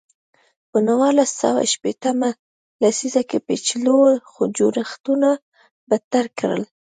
په نولس سوه شپېته مه لسیزه کې پېچلو جوړښتونو بدتر کړل.